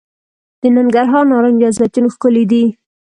د ننګرهار نارنج او زیتون ښکلي دي.